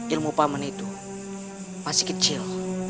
ilmu pak man itu masih kecil